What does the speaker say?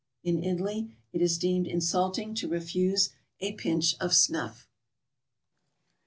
In Italy it is deemed insulting to refuse a pinch of s nuff.